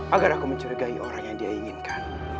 agar aku mencurigai orang yang dia inginkan